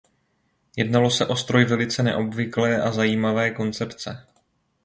Jednalo se o stroj velice neobvyklé a zajímavé koncepce.